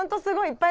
すごい！